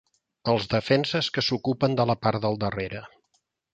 Els defenses, que s'ocupen de la part del darrere.